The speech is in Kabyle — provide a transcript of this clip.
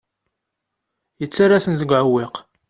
Yettarra-ten deg uɛewwiq.